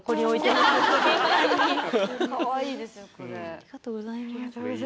ありがとうございます。